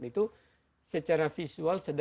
itu ada gula garam lemak di dalam sendok